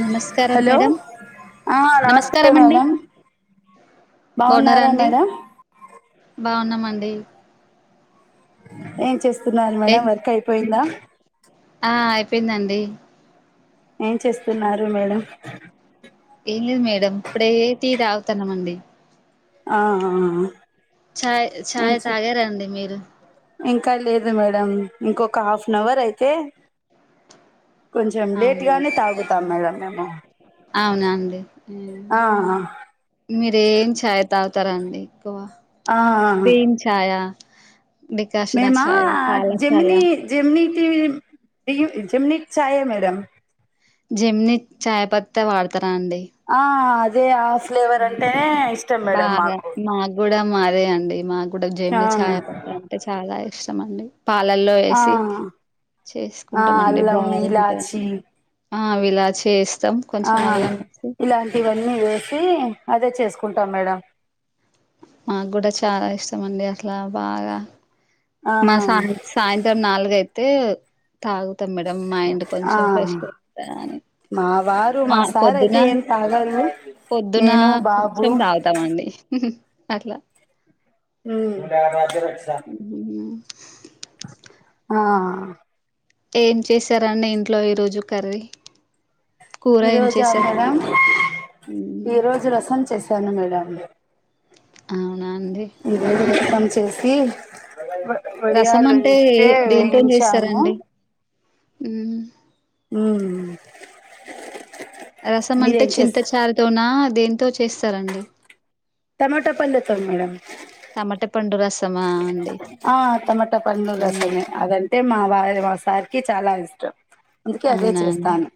నమస్కారం hello madam ఆ నమస్తే నమస్కారం అండి మేడం బాగున్నారా మేడం బాగున్నామండి ఏం చేస్తున్నారు ఏం మేడం వర్క్ అయిపోయిందా ఆ అయిపోయిందండి ఏం చేస్తున్నారు మేడం. ఏం లేదు మేడం ఇప్పుడే టీ తాగుతున్నాం అండి. ఆ ఆ ఛాయ్ ఏం ఛాయ్ చే- తాగారండి మీరు ఇంకా లేదు మేడం ఇంకొక హాఫ్ అన్ అవర్ అయితే కొంచెం అవునా లేట్గానే అండి తాగుతాం మేడం మేము అవునా అండి ఆ మీరేం ఛాయ్ తాగుతారండి ఆ, ఆ. పీన్ ఛాయా డికాషనా మేమా ఛాయ్ పాల ఛాయ జెమిని జెమిని జెమినీ చాయ మేడమ్ జెమినీ చాయ పత్త వాడత ఆ అదే ఆ ఫ్లేవర్ మీ అంటేనే ఇష్టం మేడం బాగా మాకు గూడా మాదే అండి మా ఆ జేమిని చాయపత్త అంటే చాలా ఇష్టం అండి పాలల్లో వేసి ఆ. ఆ చేసుకుంటామండి అల్లం బాగుంటంద ఇలాచి ఆ అవి ఇలా చేస్త చం కొంచెం అల్లం అన్నీ వేసి అదే చేసుకుంటాం మేడం మాగూడా చాలా ఇష్టం అండి అసలా బాగా ఆ మా సాయ సాయంత్రం నాలుగ అయితే తాగుతాం మేడం మైండ్ ఆ కొంచెం రిఫ్రెష్గా తాదా అని మా వారు మా సార్ అయితే ఎం తాగరు పొద్దున నేను బాబు కొంచెం తాగుతాము అండి అట్లా హ్మ్ [unintelligible] ఆ ఏం చేశారండి ఇంట్లో ఈరోజు కర్రీ కూర ఈ ఏం రోజా చేశారండి మేడం మ్మ్ ఈరోజు రసం చేసాను మేడం అవు ఇదే వ్రతం చేసి రసం అంటే ఏ వడియాలుంటే దెన్తోని వేయించాను చేస్తరండి ఉహు ఉమ్ రసం అంటే చింత చారుతోనా దేనితో చేస్తరండి? టమాటా పల్లెతోని మేడం సమా ఉంది. ఆ టమాటా పండ్లు రసము, అదంటే మా వారి మా సార్కి చాలా ఇష్టం. అందుకే అదే అవునా అండి చేస్తాను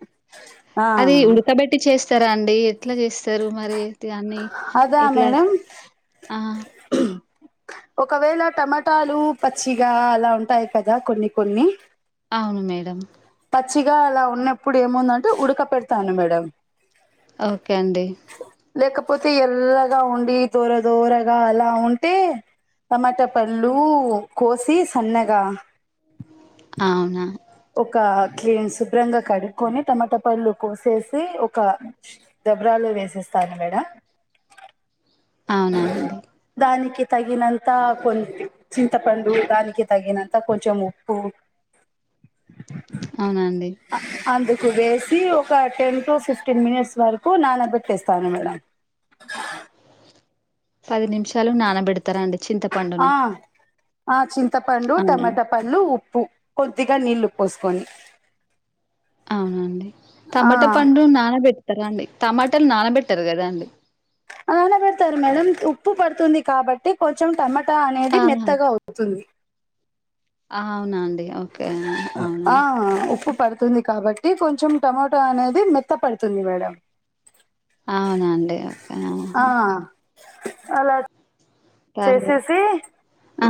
ఆ అది ఉడకబెట్టి చేస్తరా అండి? ఎట్లా చేస్తరు మరి దాన్ని అదా ఎట్లా మేడం అంట ఆ ఒకవేళ టమాటాలు పచ్చిగా అలా ఉంటాయి కదా కొన్ని కొన్ని అవును మేడం పచ్చిగా అలా ఉన్నప్పుడు ఏముందంటే ఉడక పెడతాను మేడం. ఓకే అండి. లేకపోతే ఎర్రగా ఉండి, దోర దోరగా అలా ఉంటే టమాట పళ్ళు కోసి సన్నగా అవునా ఒక క్లీన్ శుభ్రంగా కడుక్కొని టమాటా పళ్ళు కోసేసి ఒక డబ్ర లో వేసిస్తాను మేడం అవునా అండి దానికి తగినంతా కొం చింతపండు దానికి తగినంత కొంచెం ఉప్పు అవునండి కు వేసి ఒక టెన్ టు ఫిఫ్టీన్ మినిట్స్ వరకు నాన పెట్టేస్తాం మేడం [unintelligible] పది నిమిషాలు నానబెడతారండి చింతపండుని ఆ ఆ చింతపండు, అవునా టమాటా పళ్ళు, ఉప్పు, కొద్దిగా నీళ్ళు పోసుకొని అవునండి ఆ టమాట పండు నానబెట్ త రండి టమాటాలు నానబెట్టరు కదా అండి ఆ నాన పెడతారు మేడం ఉప్పు పడుతుంది కాబట్టి కొంచెం టమాట్ ట అనేది ఆహా! మెత్తగా అవుతుంది అవునా అండి. ఓకే అవునా ఆ ఉప్పు పడుతుంది కాబట్టి కొంచెం టమాటా అనేది మెత్త పడుతుంది మేడం. అవునా అండి ఓకే ఆహ ఆ అలా తర్వాత చేసేసి ఆ!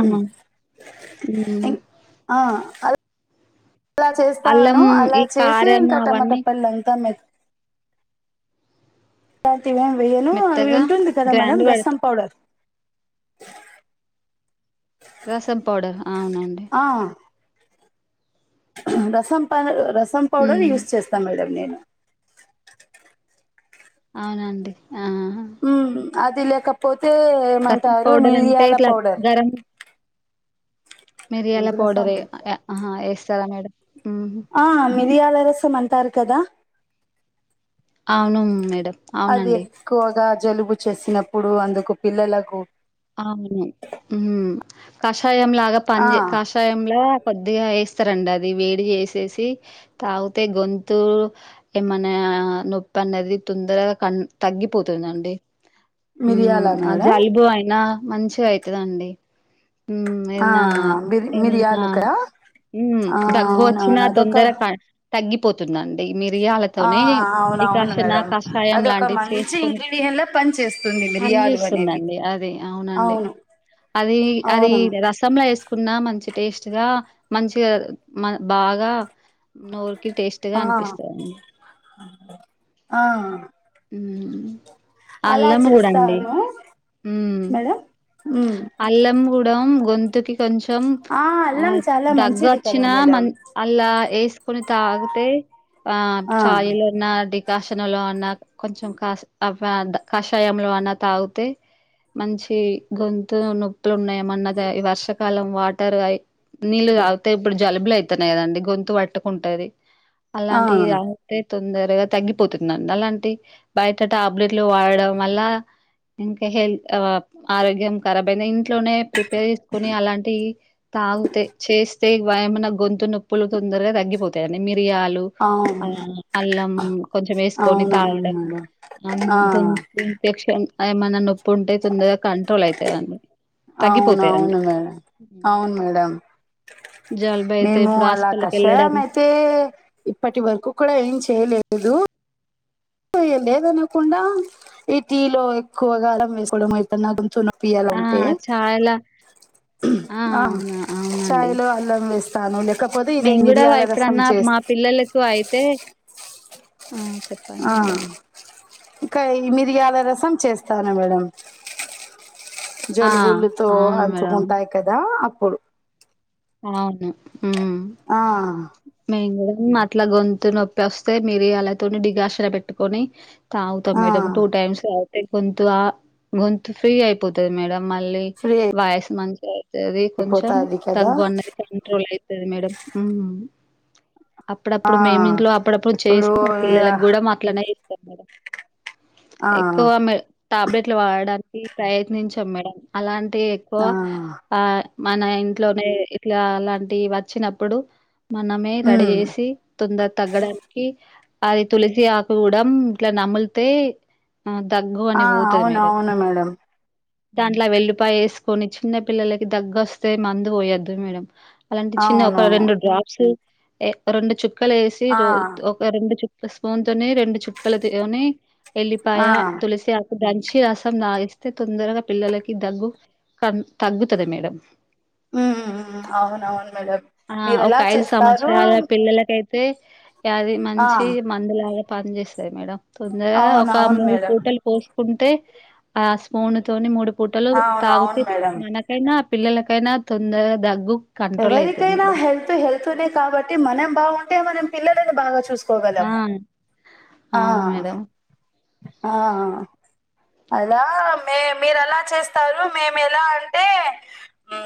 హ్మ్. ఇం అల్ అలా అల్లం, చేస్తాను అలా ఈ చేసి కారం ఇంకా అవన్నీ టమాటా పల్లంత మెత్ ప్రతిమ వేయను అవి మెత్తగా ఉంటుంది కదా మేడం గ్రైండ్ పడతా రసం పౌడర్ రసం పౌడర్ ఆవునండి ఆ రసం ప రసం పౌడర్ హ్మ్. యూస్ చేస్తా మేడం నేను అవునా అండి ఆహాహా ఉమ్ అది లేకపోతే ఏమంటారు, పౌడర్ అంటే మిలియాల ఇట్లా పౌడర్. గరం మిరియాల పౌడర్ ఏ అహా ఏస్తారా మేడం? హుహు. ఆ మిరియాల రసం అంటారు కదా అవును మేడం అది అవునండి. ఎక్కువగా జలుబు చేసినప్పుడు అందుకు పిల్లలకు అవును ఉం కష కషాయం లాగా పని ఆ చే కషాయంలో కొద్దిగా వే స్తారండి అది వేడి చేసేసి తాగితే గొంతు ఏమన్నా నొ ది తొందరగా క తగ్గిపోతుందండి ఉం మిరియాల ఆ మేడం జలుబు అయి న మంచిగా అయితదండి ఆ ఏన్న బిర్ ఏమన్నా మిరియాలు కదా ఉం ఆ దగ్గు వచ్చినా అవునవును అదొక తొందర తగ్గిపోతుందండి మీరు ఆ మిరియాలతోనే అవునవును డికాషన మేడం కషాయం అదొక లాంటివి మంచి చేసుకొని ఇంగ్రీడియంట్ లా పని చేస్తుంది మిరియాలు అనేవి పనిచేస్తుందండి అది అవునండి అవును అది అది అవును రసంలో వేసుకున్నా మ మంచి టేస్ట్ గా మంచిగా మ బాగా నోరికి టేస్ట్ గా ఆ అనిపిస్తధండి ఆ ఉం అలా అల్లమ్ కూడా అండి చేస్తాను ఉం మేడం మ్మ్ అల్లం కూడా గొంతుకి కొంచెం ఆ అల్లం చాలా దగ్గ మంచిది కదా వచ్చినా మ మేడం అళ్లా వేసుకొని తాగితే ఆ ఛాయలో అన్న డికాషనలో అన్నా కొంచెం కా కషాయంలో అన్నా తాగితే మంచి గొంతు నొప్పులు ఉన్నా ఏమన్న ద ఈ వర్షాకాలం వాటర్ అ నీళ్ళు తాగితే ఇప్పుడు జలుబులు అయితున్నాయి కదండి గొంతు పట్టుకుంటది ఆ అలాంటివి రాతే తొందరగా తగ్గిపోతుందండి అలాంటి బయట టాబ్లెట్లు వాడడం వల్ల ఇంకా హెల్త్ ఆ ఆరోగ్యం కరాబ్ ఇంట్లోనే ప్రిపేర్ చేసుకుని అలాంటివి తాగుతే చేసి ఏమన్న గొంతు నొప్పులు తొందరగా తగ్గిపోతాయండి మీరు మిరియాలు అవును అల్లం కొంచెం వేసుకొని అవునవును తాగడం మేడం అ ఆ గు [unintelligible] ఇన్ఫెక్షన్ ఏమన్నా నొప్పు ఉంటే తొందరగా కంట్రోల్ అవుతద అండి అవును అవును మేడం హ్మ్. అవును మేడం జలుబు అయితే మేము ఇప్పుడు అలా హాస్పిటల్కి వెళ్ళడం కషాయం అయితే ఇప్పటి వరకు కూడా ఏం చేయలేదు లేదు లేదనకుండా ఇ టీ లో ఎక్కువగా వేసుకోవడం అయితు [unintelligible] నా కొంచు పియాల [unintelligible] ఆ ఉంటే చాలా ఆ అవునా అవునండి చాయలో అల్లం వేస్త మేము కూడా ఎప్పుడన్నా మా చేస్త పిల్లలకు అయితే ఆ చెప్పండి మేడం ఇంక ఈ మీరియాల రసం చేస్తాను మేడం ఆ! జలుబులుతో అవును మేడం. అంతుకుంటాయి కదా అప్పుడు అవును ఉం ఆ మేం కుడా ఉం అట్లా గొంతు నొప్పి వస్తే మిరియాలతోని డికాషన్ పెట్టుకొని తాగుతాం ఆ మేడమ్ టూ టైమ్స్ తాగితే గొంతు ఆ గొంతు ఫ్రీ అయిపోతది మేడం మళ్ళీ ఫ్రీ వాయిస్ మంచిగ అయితది కొంచెం అయిపోతాది కదా దగ్గు అన్నది కంట్రోల్ అయితది మేడం ఉం ఆ అప్పుడప్పుడు మేమ్ ఇంట్లో అప్పుడప్పుడు ఇప్పుడు చేసి మా ఆ పిల్లలకి కూడా మా అట్లనే ఇస్తాం మేడం ఆ ఎక్కువ మ టాబ్లెట్లు వాడడానికి ప్రయత్నింఛం మేడం అలాంటి అంటే ఎక్కువ ఆ మన ఇంట్లోనే ఇట్లా అలాంటి వచ్చినప్పుడు మనమే రెడీ హ్మ్ చేసి తొందర తగ్గడానికి అది తులసి ఆకు కూడా ఇట్లా నమిలితే ఆ దగ్గు ఆ అని పోతది అవును మేడం అవును మేడం దాంట్లో వెళ్లిపాయ వేసుకొని చిన్న పిల్లలకి దగ్గు వస్తే మందు పోయొద్దు మేడం అలాంటి చిన్న ఒక అవును రెండు డ్రాప్స్ రెండు చుక్కలు వేసి ఆ రో ఒక రెండు చు స్పూన్ తోని రెండు చుక్కలతోని వెల్లిపాయ ఆ తులసి ఆకు దంచి రసం తాగిస్తే తొందరగా పిల్లలకి దగ్గు క తగ్గుతాది మేడం హ్మ్ హ్మ్ హ్మ్. అవునవును మేడం ఆ మీరు ఒక ఎలా ఐదు చేస్తారు సంవత్సరాల పిల్లలకైతే తే అది ఆ మంచి మందు లాగా పని చేస్తాది మేడం తొందరగా అవును ఒక అవును మూడు మేడం పూటలు పోసి కుంటే ఆ స్పూన్ తోని మూడు పూటలు అవును తాగుతే అవును మేడం మనకైనా పిల్లలకైనా తొందరగా దగ్గు కంట్రోల్ అయితది ఎవరికైనా మేడం హెల్త్ హెల్త్నే కాబట్టి మనం బాగుంటే మనం పిల్లలని బాగా చూసు కొగలము ఆ మేడం ఆ అలా మే మీరు ఎలా చేస్తారు మేము ఎలా అంటే ఆ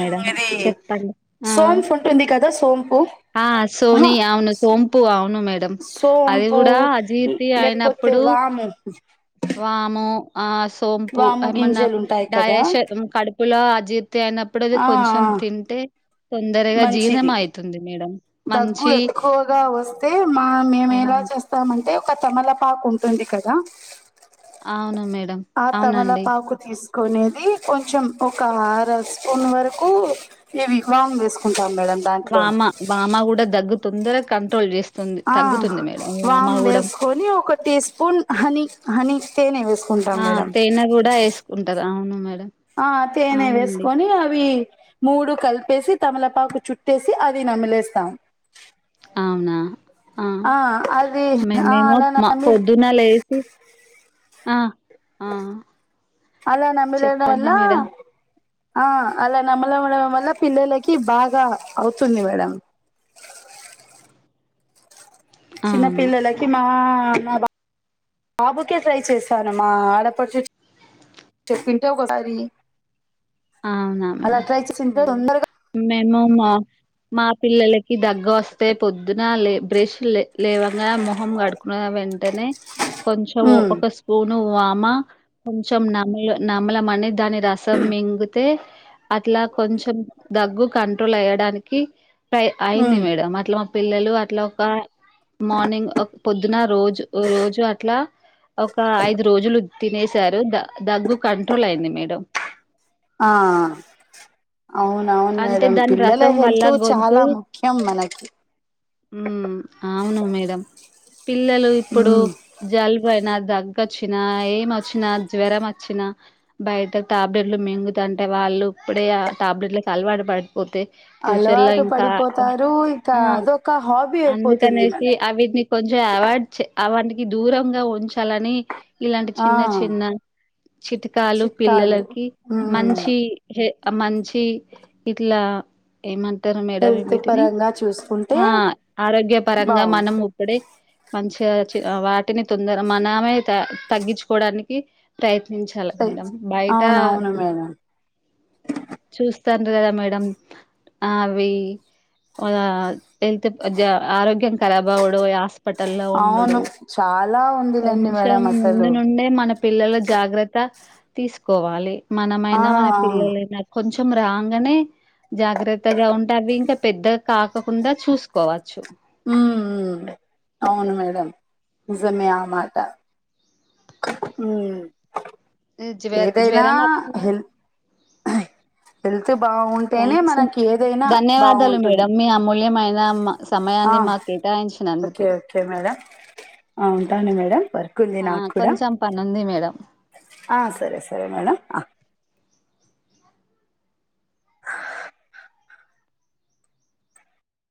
మేడం అది చెప్పండి ఆ సోంపు ఉంటుంది కదా సోంపు ఆ సోని ఆహా అవును సోంపూ అవును అది సోంపు కూడా అజీర్తీ లేకపోతే అయినప్పుడు వాము వాము ఆ సోంపు వాము ఏమన్నా గింజలు ఉంటాయి కదా డయాష్ కడుపులో అజి తీ అయినప్పుడు అది ఆ కొంచెం తింటే తొందరగా జీర్ణం మంచిది అయితుంది మేడం దగ్గు మంచి ఎక్కువగా వస్తే మా మేము అవును ఎలా చేస్తాము అంటే ఒక తమలపాకు ఉంటుంది కదా అవును మేడం ఆ తమలా అవునండి పాకు తీసు కొనేది కొంచెం ఒక అరస్పూన్ వరకు ఇ వాము వేసుకుంటాం ఉండడం దాంట్లో వామా కూడా దగ్గు తొందరగా కంట్రోల్ చేస్ ఆ వామ్ వేసుకని ఒక టీ స్పూన్ హనీ హనీ తేనె వేసు ఆ తేనె కూడా వేసుకుంటారు అవును మే ఆ తేనె వేసుకొని అవి మూడు కల్ కలిపేసి తమల పాకు చుట్టేసి అది నమిలేేస్తాం అవునా ఆ అది మీము ఆ ఏమో అలా మా నమి పొద్దున్న లేసి ఆ ఆ అలా నమిలే వాళ్ళ చెప్పండి మేడం ఆ అలా నమలడం వల్ల పిల్లలకి బాగా అవుతుంది మేడం చిన్న అవును పిల్లలకి మా మా బాబుకే ట్రై చేశాను మా ఆడపడుచు చెప్పింటే ఒకసారి అవునా అలా మేడం ట్రై చేసింటే తొందరగా మేము మా మా పిల్లలకి దగ్గు వస్తే పొద్దున లే బ్రెష్ లేవంగానే మొహం కడుకున్న వెంటనే కొంచెం ఉమ్ ఒక స్పూన్ వామ కొంచెం నామలమని దాని రసం మింగితే అట్లా కొంచెం దగ్గు కంట్రోల్ అయ్యడానికి టై అయింది ఉమ్ మేడం అట్లా పిల్లలు అట్లా ఒక మార్నింగ్ ఒక పొద్దున రోజు రోజు అట్లా ఒక ఐదు రోజులు తినేసారు ద దగ్గు కంట్రోల్ అయింది మేడం ఆ అవున అవును అంటే మేడం దాని పిల్లల రసం వల్ల హెల్త్ చాలా ముఖ్యం మనకి ఉ అవును మేడం పిల్లలు ఇప్పుడు ఉమ్ జలుబు అయిన దగ్గు గ్గ వచ్చిన ఏమి వచ్చినా జ్వరం వచ్చినా బయట టాబ్లెట్లు మింగుతంటే వాళ్ళు ఇప్పుడే ఆ టాబ్లెట్ల అలవాటు పడు పోతే ఫ్యూచర్ లో అలవాటు ఇంకా పడిపోతారు. ఇక ఆ అదొక హాబీ అయిపోతుంది అందుకనేసి మనకి. అవి కొంచెం అవాయిడ్ వాటికి దూరంగా ఉంచు చాలని ఇలాంటి ఆ! చిన్న చిన్న చిట్కాలు చిట్కాలు. పిల్లలకి హ్మ్. మంచి హే మంచి ఇట్లా ఏమంట టారు మేడం హెల్త్ వీటిని పరంగా చూసుకుంటే ఆ ఆరోగ్య పరంగా మనం బావుంటుంది. ఇప్పుడే మంచి వాటిని తొందర మనమే తగ్గించుకోవడానికి ప్రయత్ పించలే మేడం రైట్. బయట అవునవును మేడం. చూ తండ్రు కదా మేడం అవి ఆ హెల్త్ జ ఆరోగ్యం కరబవుడు హాస్పిటలలో ఉండుడు అవును. చాలా ఉందిలెండి కొంచెం మేడం ముందు అసలు. నుండే మన పిల్లల జాగ్రత్త తీసుకోవాలి ఆ! మనమైన మన ఆ! పిల్లలైనా కొంచెం రాంగానే జాగ్రత్తగా ఉంట అవి ఇంకా పెద్దగా కాకోకుండా చూసుకోవచ్చు ఉ అవును మేడం నిజమే ఆ మాట ఉ జ్వ ఏదైనా జ్వరం వచ్చినా హెల్త్ హేల్ త్ బాగుంటేనే థ్యాంక్స్ మనకి ఏదైనా ధన్యవాదాలు బాగుంటుంది మేడం మీ అమూల్యమైన మ- ఆ సమయాన్ని మాకు కేటాయించినందుకు ఓకే ఓకే మేడం ఆ ఉంటాను మేడం వర్క్ ఉంది ఆ నాకు కూడా కొంచెం పనుంది మేడం ఆ సరే సరే మేడం ఆ